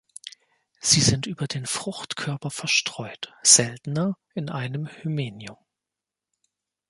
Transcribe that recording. Sie sind über den Fruchtkörper verstreut, seltener in einem Hymenium.